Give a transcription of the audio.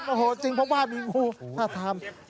โอ้โฮจริงพบบ้านมีงู๕ทาม